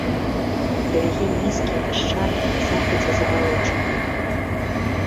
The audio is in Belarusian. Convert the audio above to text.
Берагі нізкія, пясчаныя, на захадзе забалочаныя.